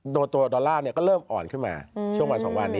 โดลลาร์ก็เริ่มอ่อนขึ้นมาช่วงวัน๒วัน